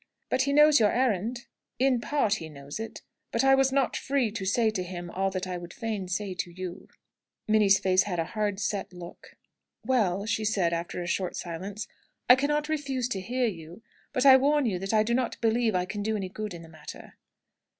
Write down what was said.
"But he knows your errand?" "In part he knows it. But I was not free to say to him all that I would fain say to you." Minnie's face had a hard set look. "Well," she said, after a short silence, "I cannot refuse to hear you. But I warn you that I do not believe I can do any good in the matter."